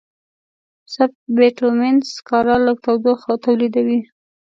سب بټومینس سکاره لږ تودوخه تولیدوي.